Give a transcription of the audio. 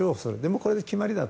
これで決まりだと。